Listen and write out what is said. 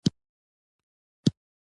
د صنعت د پراختیا پر وړاندې خنډونه دي.